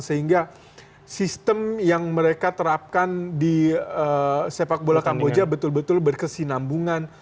sehingga sistem yang mereka terapkan di sepak bola kamboja betul betul berkesinambungan